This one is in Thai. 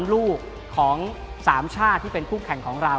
ลูกของ๓ชาติที่เป็นคู่แข่งของเรา